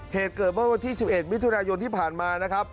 เหตุเกิดเบาะที่๑๑วิทยาโยนที่ผ่านมานะครับ